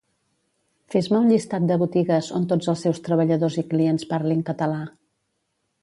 Fes-me un llistat de botigues on tots els seus treballadors i clients parlin català